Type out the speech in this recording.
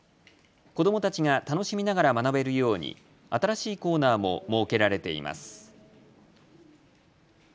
子どもたちが楽しみながら学べるように新しいコーナーも設けられています。